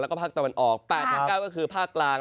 แล้วก็ภาคตะวันออก๘๙ก็คือภาคกลาง